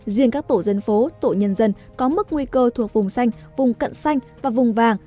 riêng các tổ dân phố tổ nhân dân có mức nguy cơ thuộc vùng xanh vùng cận xanh và vùng vàng